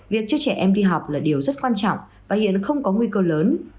việc cho trẻ em đi học là điều rất quan trọng và hiện không có nguy cơ lớn